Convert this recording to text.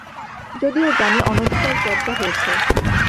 যদিও জানি অনধিকার চর্চা হয়েছে।